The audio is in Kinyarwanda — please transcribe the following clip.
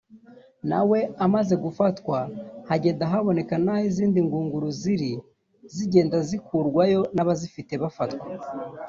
nawe amaze gufatwa hagenda haboneka n’aho izindi ngunguru ziri zigenda zikurwayo n’abazifite bafatwa